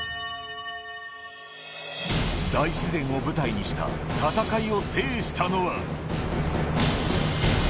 大自然を舞台にした戦いを制したのは。